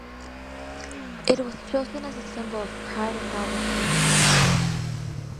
It was chosen as a symbol of pride and nobility.